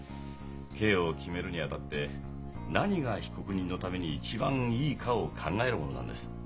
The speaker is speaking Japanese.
刑を決めるにあたって何が被告人のために一番いいかを考えるものなんです。